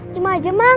cuma aja mang